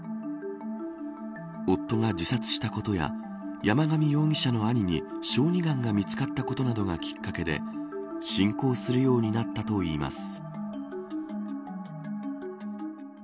夫が自殺したことや山上容疑者の兄に小児がんが見つかったことなどがきっかけで信仰するようになったといいます。